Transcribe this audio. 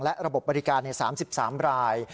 และระบบบบริการใน๓๓ราย